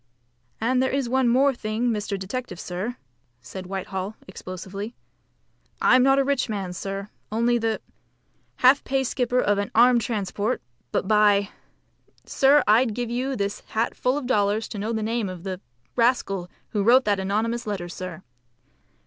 "And there is one more thing, Mr. Detective, sir," said Whitehall explosively. "I'm not a rich man, sir, only the half pay skipper of an armed transport; but by , sir, I'd give you this hat full of dollars to know the name of the rascal who wrote that anonymous letter, sir.